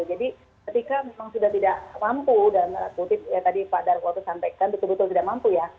jadi ketika memang sudah tidak mampu dan akutip yang tadi pak darwoto sampaikan betul betul tidak mampu ya